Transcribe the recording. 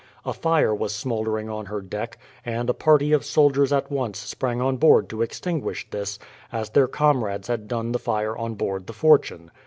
A fire was smoldering on her deck, and a party of soldiers at once sprang on board to extinguish this, as their comrades had done the fire on board the Fortune.